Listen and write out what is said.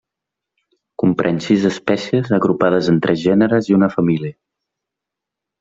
Comprèn sis espècies agrupades en tres gèneres i una família.